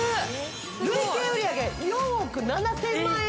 累計売上４億７０００万円